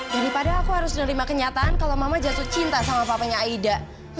daripada aku harus menerima kenyataan kalau mama jatuh cinta sama papanya aida